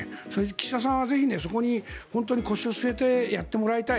岸田さんはぜひ、そこに腰を据えてやってもらいたい。